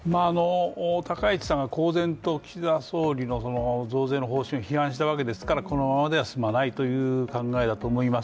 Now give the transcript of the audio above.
高市さんが公然と、岸田総理の増税の方針を批判したわけですから、このままでは済まないという考えだと思います